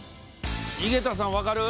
井桁さんわかる？